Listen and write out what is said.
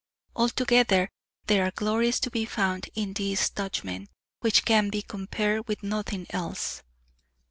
Altogether there are glories to be found in these Dutchmen, which can be compared with nothing else.